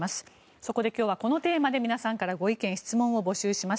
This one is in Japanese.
そこで今日はこのテーマで皆さんからご意見・質問を募集します。